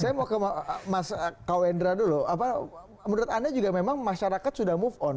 saya mau ke mas kawendra dulu menurut anda juga memang masyarakat sudah move on